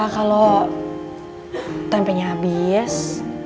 kalau tempenya habis